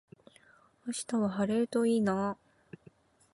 明日は晴れるといいな